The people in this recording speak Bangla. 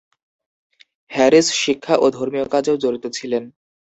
হ্যারিস শিক্ষা ও ধর্মীয় কাজেও জড়িত ছিলেন।